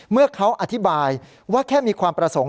เมื่อเขาอธิบายว่าแค่มีความประสงค์